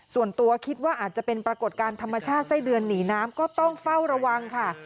ส่วนตัวคิดว่าอาจจะเป็นปรากฏการณ์ธรรมชาติไส้เดือนหนีน้ำก็ต้องเฝ้าระวังค่ะ